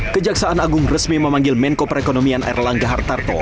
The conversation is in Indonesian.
kejaksaan agung resmi memanggil menko perekonomian erlangga hartarto